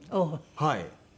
はい。